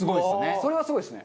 それはすごいですね。